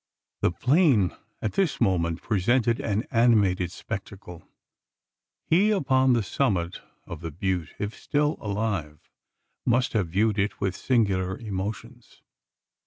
The plain at this moment presented an animated spectacle. He upon the summit of the butte, if still alive, must have viewed it with singular emotions.